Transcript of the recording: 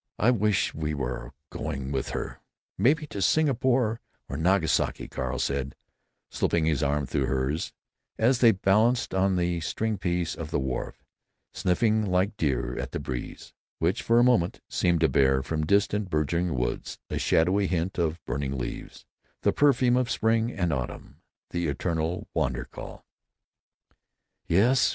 "I wish we were going off with her—maybe to Singapore or Nagasaki," Carl said, slipping his arm through hers, as they balanced on the stringpiece of the wharf, sniffing like deer at the breeze, which for a moment seemed to bear, from distant burgeoning woods, a shadowy hint of burning leaves—the perfume of spring and autumn, the eternal wander call. "Yes!"